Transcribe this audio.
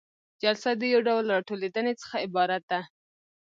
جلسه د یو ډول راټولیدنې څخه عبارت ده.